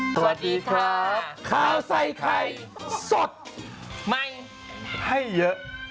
สวัสดีครับข้าวใส่ไข่สดใหม่ให้เยอะ